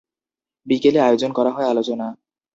বিকেলে আয়োজন করা হয় আলোচনা।